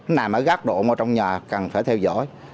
nó nằm ở gác độ mà trong nhà cần phải theo dõi